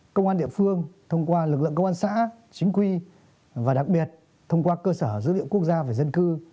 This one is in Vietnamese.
công an địa phương thông qua lực lượng công an xã chính quy và đặc biệt thông qua cơ sở dữ liệu quốc gia về dân cư